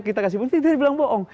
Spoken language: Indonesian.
kita kasih bukti dia bilang bohong